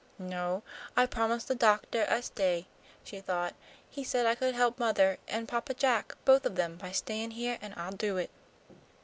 "No, I promised the doctah I'd stay," she thought. "He said I could help mothah and Papa Jack, both of 'em, by stayin' heah, an' I'll do it."